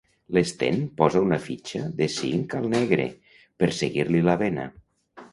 L'Sten posa una fitxa de cinc al negre, per seguir-li la vena.